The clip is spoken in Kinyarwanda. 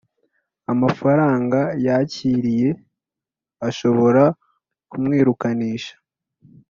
Amafaranga yakiriye ashobora kumwirukanisha